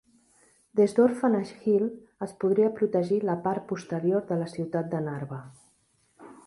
Des d'Orphanage Hill es podria protegir la part posterior de la ciutat de Narva.